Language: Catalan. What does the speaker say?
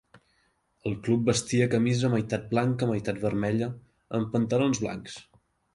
El club vestia camisa meitat blanca meitat vermella amb pantalons blancs.